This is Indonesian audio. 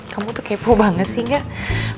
kamu tuh kepo banget sih enggak